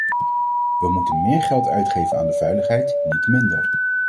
We moeten méér geld uitgeven aan de veiligheid, niet minder.